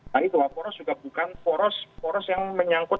tapi dua poros juga bukan poros poros yang menyangkut